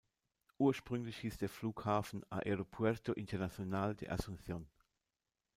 Ursprünglich hieß der Flughafen "Aeropuerto Internacional de Asunción".